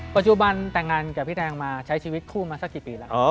ปัจจุบันแต่งงานกับพี่แดงมาใช้ชีวิตคู่มาสักกี่ปีแล้ว